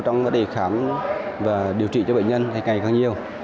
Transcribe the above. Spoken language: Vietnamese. trong vấn đề khám và điều trị cho bệnh nhân thì ngày càng nhiều